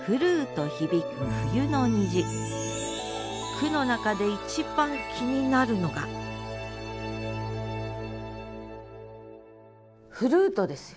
句の中で一番気になるのが「ふるーと」ですよ。